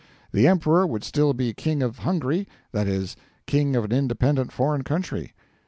The Emperor would still be King of Hungary that is, King of an independent foreign country.